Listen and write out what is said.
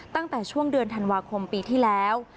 ตั้งแต่ช่วงเดือนธันวาคมปีที่แล้ว